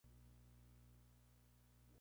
Los franceses blancos fueron encarcelados en Lyon.